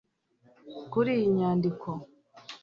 Kuri iyi nyandiko